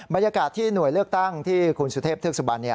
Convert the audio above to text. บรรยากาศที่หน่วยเลือกตั้งที่คุณสุเทพเทือกสุบัน